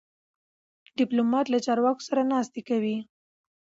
ډيپلومات له چارواکو سره ناستې کوي.